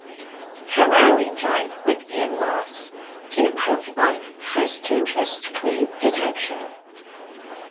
Harary joined with Ian Ross to improve on Festinger's clique detection.